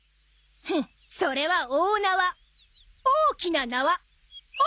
フッそれは大縄大きな縄おおきなわ。